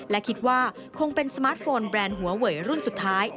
และคิดว่าคงเป็นสมาร์ทโฟนแบรนด์หัวเวยรุ่นสุดท้าย